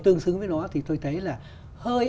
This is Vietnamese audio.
tương xứng với nó thì tôi thấy là hơi